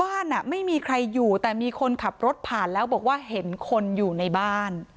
ไม่มีใครอยู่แต่มีคนขับรถผ่านแล้วบอกว่าเห็นคนอยู่ในบ้าน